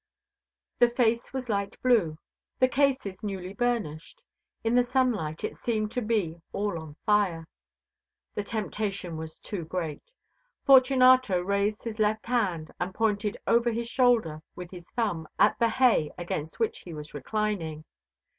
The face was light blue; the cases newly burnished. In the sunlight it seemed to be all on fire. The temptation was too great. Fortunato raised his left hand and pointed over his shoulder with his thumb at the hay against which he was reclining.